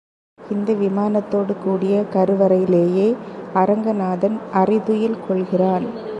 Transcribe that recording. இந்த விமானத்தோடு கூடிய கருவறையிலேயே அரங்கநாதன் அறிதுயில் கொள்ளுகிறான்.